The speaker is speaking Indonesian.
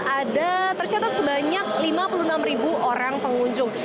ada tercatat sebanyak lima puluh enam ribu orang pengunjung